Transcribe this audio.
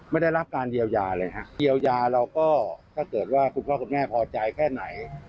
ไม่ได้รับการเยียวยาเลยฮะเยียวยาเราก็ถ้าเกิดว่าคุณพ่อคุณแม่พอใจแค่ไหน